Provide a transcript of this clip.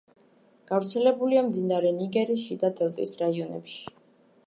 გავრცელებულია მდინარე ნიგერის შიდა დელტის რაიონებში.